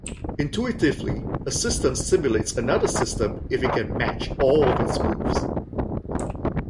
Intuitively, a system simulates another system if it can match all of its moves.